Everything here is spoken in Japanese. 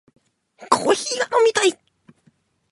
コーヒーが飲みたい